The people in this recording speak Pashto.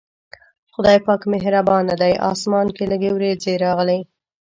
خدای پاک مهربانه دی، اسمان کې لږې وريځې راغلې.